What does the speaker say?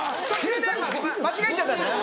途中で間違えちゃったんだよな。